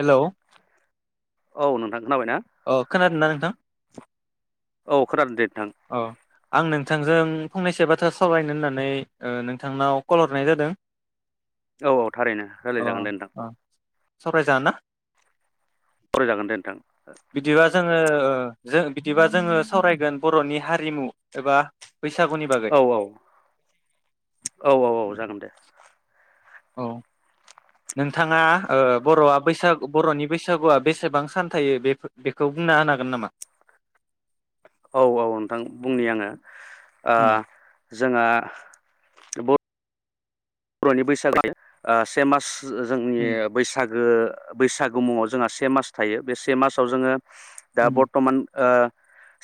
Hello. औ नोंथां। खोनाबायना अ खोनादो नों थां। औ खोनानो दे नोंथां। आं नोंथांजों फंनैसो बाथ्रा सावरायनो ओन्नानै नोंथांनाव कल हरनाय जादों। औ औ थारैनो रायलायजागोन दे नोंथां। सप्राइज जाना ना। फरायजागोन दे नोंथां। बिदिबा जों। जङो ज बिदिबा जोङो सावरायगोन बर'नि हारिमु एबा बैसागुनि बागै औ औ औ औ औ जागोन दे। औ नोंथाङा बर'आ बैसागु बर'नि बैसागुआ बेसेबां सान थायो बे बेखौ बुंना होनागोन नामा? औ औ नोंथां बुंनि आङो। ओ। उम जोंहा। बर'नि बैसागोनि से मास जोंनि उम बैसाग बैसागु मुङाव जोंहा से मास थायो बे से मासाव जोङो। दा उम बर्थमान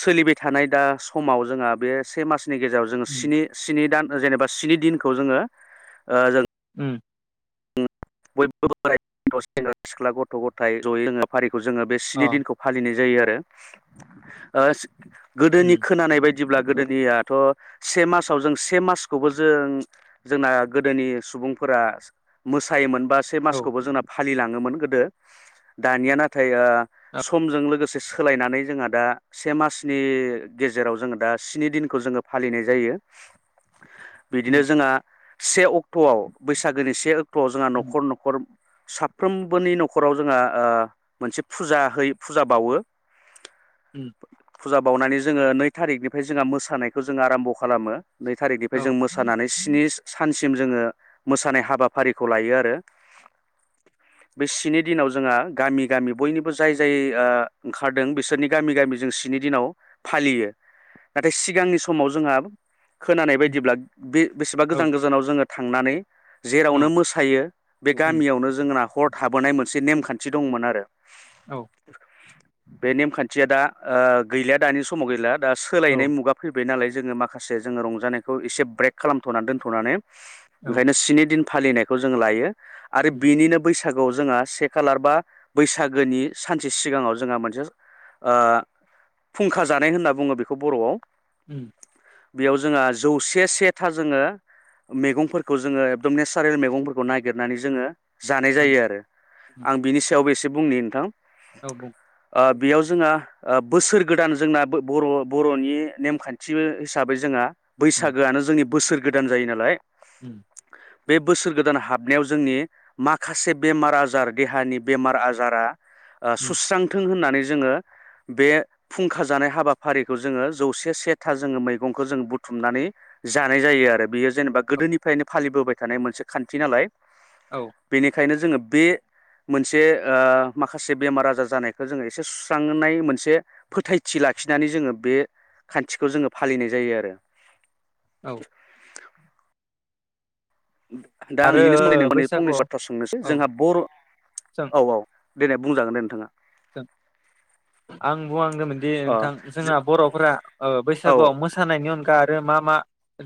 सोलिबाय थानाय दा समाव जोंहा बे से मास नि गेजेराव जोङो उम स्नि स्नि दान। जेनेबा स्नि दिनखौ जोङो। जों उओम बयबो बोर सेंग्रा सिख्ला गथ' गथाय जयै रोङा फारि खौ जोङो बे स्नि अ दिनखौ फालिनाय जायो आरो। आ गोदोनि उम खोनानाय बायदि। जदिब्ला गोदोनियाथ' से मासाव जों से मासखौबो जों जोंना गोदोनि सुबुंफोरा मो थायोमोन बा से औ मासखौ जोंना फा फालिलाङोमोन गोदो दानिया नाथाय ओ समजों लोगो से सोलायनानै जोंहा दा से मासनि गेजेराव जोङो दा स्नि दिनखौ जोङो फालिनाय जायो बेदिनो उम जोंहा से अक्ट'आव बैसागोनि से ओक ट'आव जोंहा उम न'खर न'खर साफ्रोमबोनि न'खराव जोंहा ओ मोनसे फुजाहै फुजा बावो उम फुजा बावनानै जोङो नै थारिखनिफ्राय जोंहा मोसानायखो जोङा आराम्ब खालामो नै थारिखनिफ्राय औ जों मोसानानै स्निस सानस सिम जोङो मोसानाय हाबा फारिखौ लायो आरो बे स्नि दिनाव जोंहा गामि-गामि बयनिबो जाय-जाय आ ओंखारदों बेसोरनि गामि-गामि जों स्नि दिनाव फालियो नाथाय सिगांनि समाव जोंहा खोनानाय उम बायदिब्ला बे बेसेबा औ गोजान-गोजानाव जोङो थांनानै जेरावनो औ मोसायो बे उम गामियावनो जोंना हर थाबोनाय मोनसे नेमखान्थि दंमोन आरो औ बे नेमखान्थिया दा ओ गैलिया दानि समाव गैला दा औ सोलायनाय मुगा फैबाय नालाय जोङो माखासे जोङो रंजानायखौ एसे ब्रेक खालामथ'नानै दोन्थ'नानै औ ओंखायनो स्नि दिन फालिनायखौ जों लायो। आरो उम बेनिनो बैस सागोआव जोंहा से खालार बा बैसागोनि सानसे सिगाङाव जोंहा मोनसेस ओ फुंखा जानाय होनना बुङो बेखौ बर'आव। उम बेयाव जोंहा जौसे सेथा जोङो मेगंफोरखौ जोङो एकदम नेचारेल मेगंफोरखौ नागिरनानै जोङो जानाय औ जायो आरो उम आं बिनि सायावबो एसे बुंनि नोंथां औ बुं ओ बेयाव जोंहा ओ बोसोर गोदान जोंना बो-बर'-बर'नि नेमखान्थिबो हिसाबै जोंहा उम बैसागोआनो जोंनि बोसोर गोदान जायो नालाय उम बे बोसोर गोदान हाबनायाव जोंनि माखासे बेमार आजार देहानि बेमार आजारा ओ उम सुस्रांथों होननानै जोङो बे फुंखा जानाय हाबाफारिखौ जोङो जौसे सेथा जोङो मैगंखौ जोङो बुथुमनानै जानाय जायो आरो बेयो जेनेबा औ गोदोनिफ्रायनो फालिबोबाय थानाय मोनसे खान्थि नालाय औ खायनो जोङो बे मोनसे ओ माखासे बेमार आजार जानायखौ जोङो एसे सुस्रांनाय मोनसे फोथायथि लाखिनानै जोङो बे खान्थिखौ जोङो फालिनाय जायो आरो। औ। [inaudible] दा आरो आं इनिनो सोमोन्दै माने फंनैसो बैसागुआव बाथ्रा सोंनोसै औ जोंहा बर' सों औ औ देलाय बुंजागोन दे नोंथाङा। आं बुं आं होनदोंमोनदि अ नोंथां जो जोंना बर'फोरा ओ औ बैसागुआव मोसानायनि अनगा आरो मा मा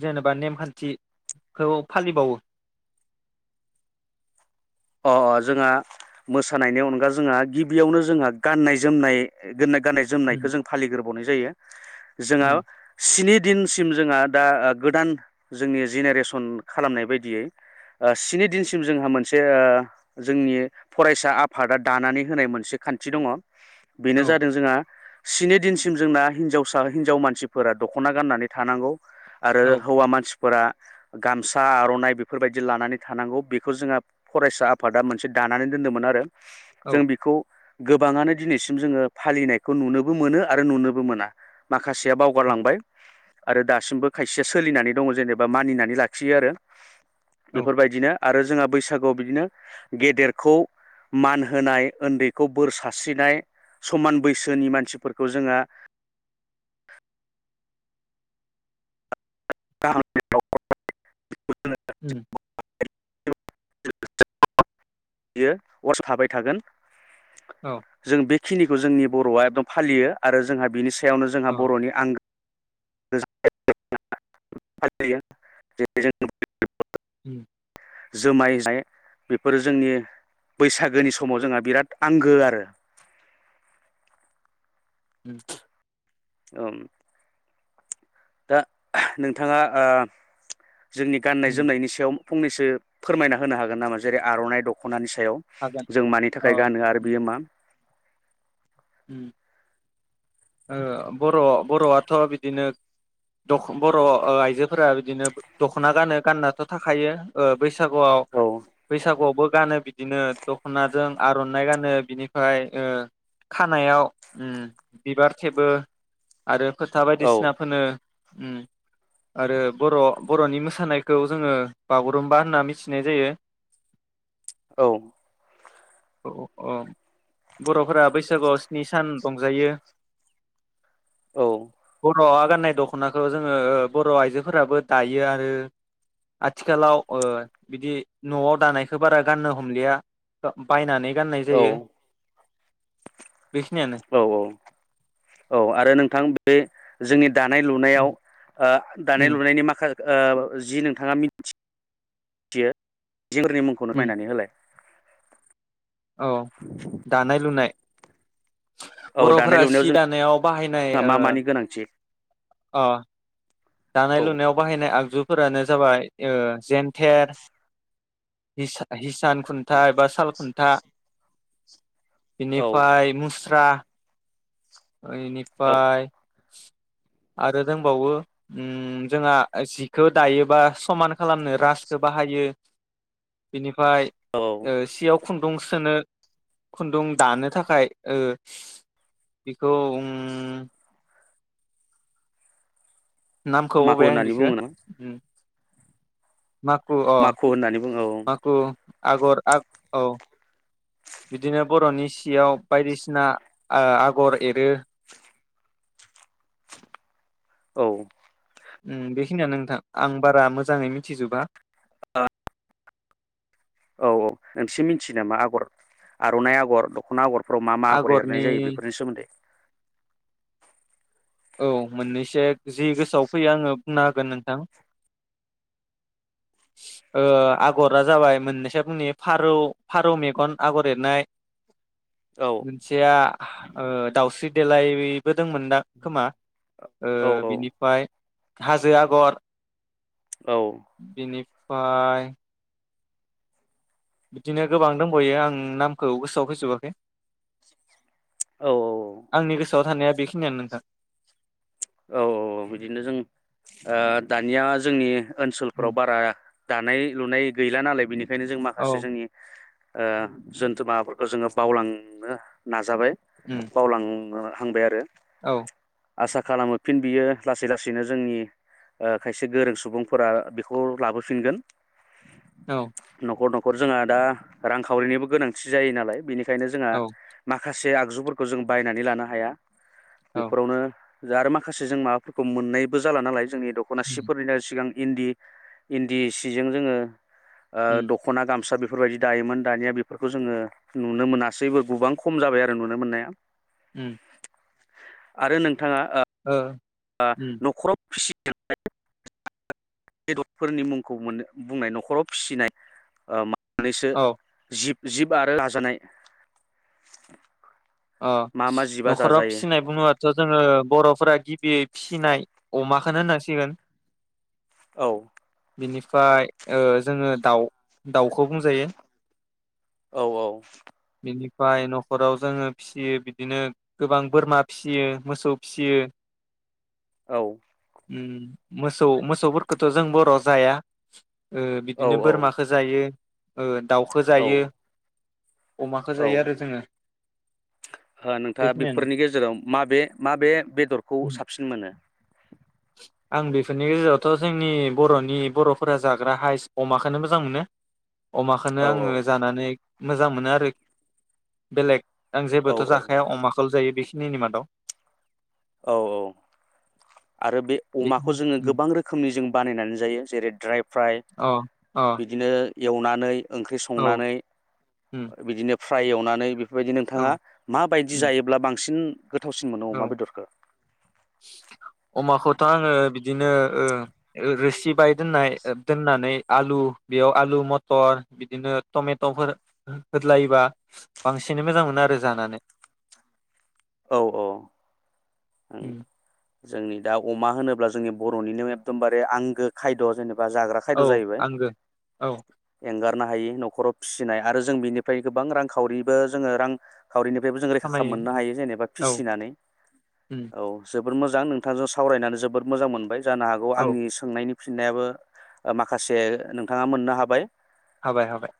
जेनेबा नेमखान्थिखौ फालिबावो? अ अ जोंहा मोसानायनि अनगा जोंहा गिबियावनो जोंहा गाननाय जोमनाय गान गाननाय जोमनायखो उम जों फालिगोरबावनाय जायो जोंहा उम स्नि दिनसिम जोंहा दा ओ गोदान जोंनि जेनेरेसन खालामनाय बायदियै स्नि दिनसिम जोंहा मोनसे जे ओ जोंनि फरायसा आफादा दानानै होनाय मोनसे खान्थि दङ। औ बेनो जादों जोंहा स्नि दिनसिम जोंना हिनजावसा हिनजाव मानसिफोरा दख'ना गाननानै थानांगौ। आरो औ हौवा मानसि फोरा गामसा आर'नाइ बेफोरबायदि लानानै थानांगौ बेखौ जोंहा फरायसा आफादा मोनसे दानानै दोनदोंमोन आरो। औ औ जों बेखौ गोबाङानो दिनैसिम जोङो फालिनायखौ नुनोबो मोनो आरो नुनोबो मोना माखासेया उम बावगारलांबाय आरो दासिमबो खायसेया सोलिनानै दङ जेनेबा मानिनानै लाखियो आरो। बेफोर बायदिनो आरो जोंहा बैसागु आव बिदिनो गेदेरखौ मान होनाय उन्दैखौ बोर सारस्रिनाय समान बैसोनि मानसिफोरखौ जोंहा [unintelligible] उम बियो [unintelligible] थाबाय थागोन। औ जों बे खिनिखौ जोंनि बर'आ एकदम फालियो आरो जोंहा बिनि सा सायावनो जोंहा अ बर'नि आंगो [unintelligible] उम जोमाय [unintelligible] बेफोरो जोंनि बैसागोनि समाव जोंहा बिराद आंगो आरो उ ओम दा नोंथाङा ओ जोंनि गाननाय उम जोमनायनि सायाव फंनैसो फोरमायना होनो हागोन नामा जेरै आर'इ दख'नानि सो सायाव हागोन जों मानि अ थाखाय गानो आरो बेयो मा उ ओ बर' बर'आथ' बिदिनो दख बर' आइजोफोरा बिदिनो दख'ना गानो गाननाथ' थाखायो ओ बैसाग औ सागु बैसागुआवबो गानो बिदिनो दख'नाजों आर'नाइ गानो बिनिफ्राय ओ खानायाव उ बिबार थेबो आरो फोथा बायदिसिना फोनो उ आरो बर' बर'नि मोसानायखौ जोङो बागुरुम्बा होनना मिथिनाय जायो औ औ औ बर'फोरा बैसागुआव स्नि सान रंजायो। औ बर'आ गाननाय दख'नाखौ जोङो बर' आइजोफोराबो दायो आरो आथिखालाव ओ बिदि न'आव दानायखौ बारा गाननो हमलिया बा बायनानै गाननाय जायो बेखिनियानो औ औ औ आरो नोंथां बे जोंनि दानाय लुनायाव ओ दानाय उम लुनायनि माखास ओ जि नोंथाङा मिथि थियो जिफोरनि मुंखौनो उम फोरमायनानै होलाय औ दानाय लुनाय औ दानाय बर'फोरा लुनायाव सि दानायाव बाहायनाय जोंहा ओ मा मानि गोनांथि अ' दानाय औ लुनायाव बाहायनाय आग जुफोरानो जाबाय ओ जेेनथेर हिसा हिस सान खुन्था एबा साल खुन्था औ बिनिफाय मुस स्रा ओ औ इनिफाय आरो दंबावो। उम जोंहा जिखौ दायोबा समान खालामनो रासो बाहायो बिनि ओमफ्राय औ ओ सियाव खुन्दुं सोनो खुन्दुं दानो थाखाय ओ बेखौ उम नामखौ माखु बावबाय आं होननानै बिखौ बुङो ना उम माखु अ माखु होननानै बुङो औ माखु आगर आ औ बिदिनो बर'नि सियाव बायदिसिना आ आगर एरो औ उम बेखिनियानो नोंथां आं बारा मोजाङै मिथिजोबा। औ औ नोंसो मिथियो नामा आगर आर'नाइ आगर दख'ना आगर फ्राव मा मा आगर आगरनि एरनाय जायो बेफोरनि सोमोन्दै? औ मोननैसो जि गोसोआव फैयो आङो बुंना होगोन नोंथां ओ आगरा जाबाय मोननैसो बुंनि फारौ फारौ मेगन आगर एरनाय औ मोनसेया ओ दाउस्रि देलायबोदोंमोन दां खोमा ओ औ बिनिफाय हाजो आगर औ फाय बिदिनो गोबां दंबावयो आं नामखौ गोसोआव फैजोबाखै। औ आंनि गोसो आव थानाया बेखिनियानो नोंथां औ औ औ बिदिनो जों दानिया जोंनि ओनसोलफोराव बारा दानाय लुनाय गैला नालाय बिनि खायनो जों माखासे औ जोंनि ओ जोनथुमा फोरखौ जोङो बावलांनो नाजाबाय उम बावलां- हांबाय आरो औ आसा खालामोफिन बियो लासै लासैनो जोंनि खायसे गोरों सुबुंफोरा बेखौ लाबोफिनगोन। औ न'खर न' खर जोंहा दा रांखावरिनिबो गोनांथि जायो नालाय बेनि- खायनो जोंहा औ माखा से आगजुफोरखौ जों बायनानै लानो हाया। औ बेफोरावनो दा आरो माखासे जों माबाफोरखौ मोननायबो जाला नालाय जोंनि उम दख'नासिफोरनिनो सिगां इन्दि इन्दि सिजों जोङो ओ उम दख'ना गामसा बेफोर बेफोरबायदि दायोमोन दानिया बेफोरखौ जोङो नुनो मोनासैबो गोबां खम जाबाय आरो नुनो मोननाया। उम आरो नों थाङा ओ उम न'खराव बेदरफोरनि मुंखौ बुंनाय न'खराव फिसिनाय ओ मानैसो औ जिब जिब आरो जाजानाय अ मा मा जिबा न'खराव जाजायो फिसिनाय बुङोबाथ' जोङो बर'फोरा गिबियै फिसिनाय अमाखौनो होननांसिगोन। औ बिनिफ्राय ओ जोङो दाउ दाउखौ बुंजायो औ औ बेनि फाय न'खराव जोङो फिसियो बिदिनो गोबां बोरमा फिसियो मोसौ फिसियो औ उम मोसौ मोसौफोरखौथ' जों बर' जाया ओ औ बिदिनो बोरमाखो जायो। ओ दाउखो औ जायो। अमाखो औ जायो आरो जोङो। ओ नोंथाङा बेखिनियानो बेफोरनि गेजेराव माबे माबे बेदरखौ साबसिन मोनो? आं बेफोरनि गेजेरावथ' जोंनि बर'नि बर'फोरा जाग्रा हाइस अमाखौनो मोजां मोनो। अमाखौनो औ आङो जानानै मोजां मोनो आरोखि बेलेग आं औ जेबोथ' जाखाया अमाखौल' जायो। बेखिनिनि मादाव औ औ आरो बे अमाखौ जोङो गोबां रोखोमनि जों बानायनानै जायो जेरै ड्राय फ्राट ओमफ्राय अ अ बिदिनो एवनानै ओंख्रि औ संनानै उम बिदिनो फ्राय एवनानै बे बेबायदि औ नोंथाङा माबायदि उम जायोब्ला बांसिन गोथावसिन मोनो औ अमा बेदरखौ अमाखौथ' आङो बिदिनो रोसि बाय दोननाय दोननानै आलु बेयाव आलु मथर बिदिनो टमेट'फोर होदलायोबा बांसिनै मोजां मोनो आरो जानानै औ औ ओं उम जोंनि दा अमा होनोब्ला जोंनि बर'निनो एकदमबारे आंगो खायद' जेनेबा बा जाग्रा खायद' औ जाहैबाय आंबो औ नो हायो न'राव फिसिनाय आरो जों बिनिफ्राय गोबां रांखावरिबो जोङो रां खावरिनिफ्रायबो जों रैखा खालाम खामायो मोननो उम हायो जेनेबा औ फिसिनानै उम औ जोबोद मोजां नोंथांजों सावरायनानै जोबोद मोजां मोनबाय जानो हागौ औ आंनि सोंनायनि फिननायाबो माखासे नोंथाङा मोननो हाबाय हाबाय हाबाय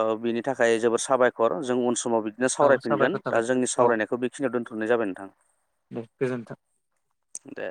औ बिनि थाखाय जोबोद साबायखर जों समाव बिदिनो औ सावरायफिनगोन साबायखर दा थाबाय जोंनि औ सावरायनायखौ बेखिनियाव दोनथ हरनाय जाबाय नोंथां दे गोजोन्थों दे